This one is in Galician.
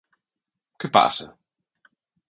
Que pasa?